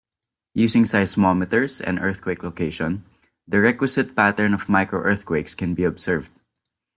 Using seismometers and earthquake location, the requisite pattern of micro-earthquakes can be observed.